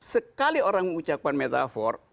sekali orang mengucapkan metafor